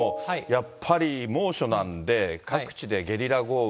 やっぱり猛暑なんで、各地でゲリラ豪雨。